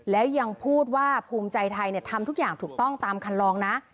แล้วยังพูดว่าภูมิใจไทยทำทุกอย่างถูกต้องตามคันลองนะ